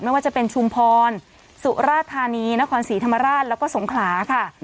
ไม่ว่าจะเป็นชุมพรสุราธานีนครศรีธรรมราชแล้วก็สงขลาค่ะ